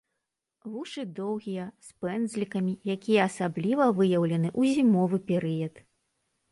Вушы доўгія, з пэндзлікамі, якія асабліва выяўлены ў зімовы перыяд.